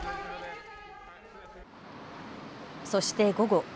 そして午後。